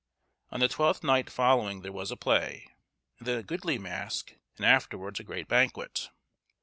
On the Twelfth Night following there was a play, and then a goodly mask, and afterwards a great banquet.